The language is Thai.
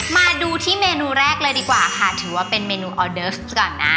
มาดูที่เมนูแรกเลยดีกว่าค่ะถือว่าเป็นเมนูออเดิร์สก่อนนะ